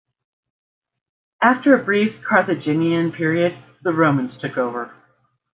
After a brief Carthaginian period, the Romans took over.